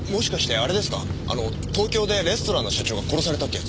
あの東京でレストランの社長が殺されたってやつ。